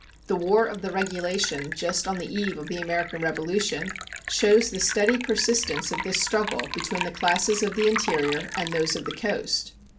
The "War of the Regulation," just on the eve of the American Revolution, shows the steady persistence of this struggle between the classes of the interior and those of the coast.